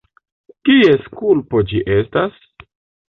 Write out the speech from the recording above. Kies kulpo ĝi estas?